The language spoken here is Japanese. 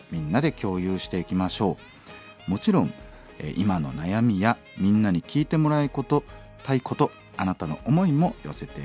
もちろん今の悩みやみんなに聞いてもらいたいことあなたの思いも寄せて下さい。